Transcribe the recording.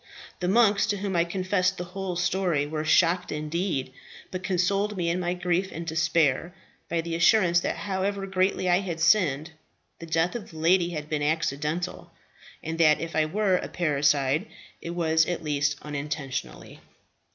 The monks, to whom I confessed the whole story, were shocked indeed, but consoled me in my grief and despair by the assurance that however greatly I had sinned, the death of the lady had been accidental, and that if I were a parricide it was at least unintentionally.